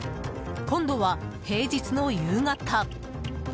今度は、平日の夕方。